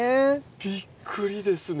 びっくりですね。